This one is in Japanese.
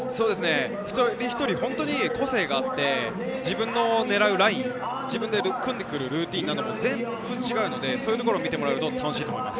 一人一人、個性があって、自分の狙うライン、組んでくるルーティーンも全然違うので、そういうところも見てもらうと楽しいと思います。